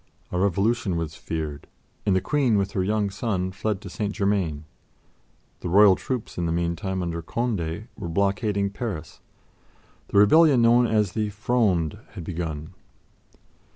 A revolution was feared, and the Queen, with her young son, fled to St. Germain. The Royal troops in the meantime, under Condé, were blockading Paris; the rebellion known as the "Fronde" had begun.